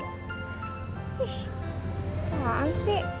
ih apaan sih